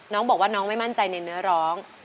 น้องบอกว่าน้องไม่มั่นใจในเนื้อร้อง